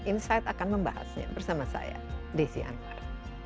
insight akan membahasnya bersama saya desi anwar